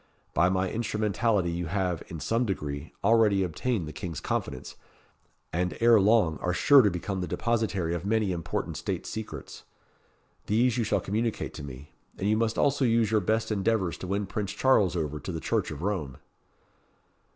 By my instrumentality you have, in some degree, already obtained the King's confidence, and ere long are sure to become the depositary of many important state secrets. These you shall communicate to me. And you must also use your best endeavours to win Prince Charles over to the Church of Rome."